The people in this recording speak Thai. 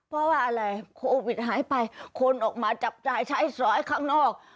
เพราะว่าอะไรโควิดหายไปคนออกมาจับจ่ายใช้สอยข้างนอก